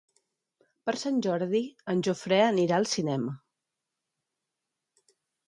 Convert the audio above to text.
Per Sant Jordi en Jofre anirà al cinema.